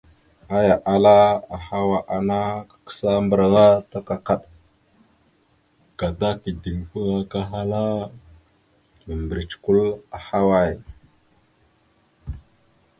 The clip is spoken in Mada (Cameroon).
Aya ahala: « Ahawa ana kakǝsa mbarǝŋa ta kakaɗ, gata kideŋfaŋa kahala mimbirec kwal ahaway? ».